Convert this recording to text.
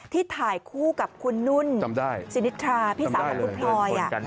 ถ่ายคู่กับคุณนุ่นสินิทราพี่สาวของคุณพลอย